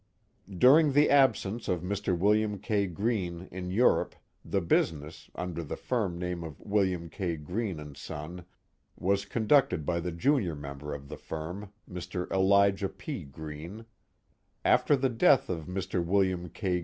During the absence of Mr. William K. Greene in Europe the business, under the firm name of William K. Greene & Son, was conducted by the junior member of the firm, Mr. Elijah P. Greene. After the death of Mr. William K.